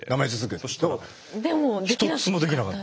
そしたら一つもできなかった。